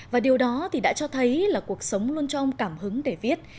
và điều đó thì đã cho thấy là cuộc sống luôn cho ông cảm hứng để viết